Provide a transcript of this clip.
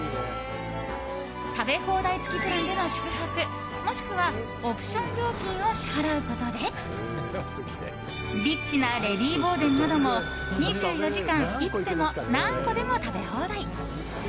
食べ放題付きプランでの宿泊もしくはオプション料金を支払うことでリッチなレディーボーデンなども２４時間いつでも、何個でも食べ放題。